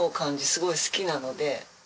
すごい好きなので。